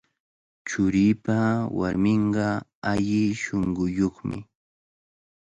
Churiipa warminqa alli shunquyuqmi.